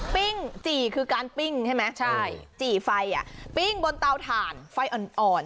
ปิ้งจี่คือการปิ้งใช่ไหมใช่จี่ไฟปิ้งบนเตาถ่านไฟอ่อน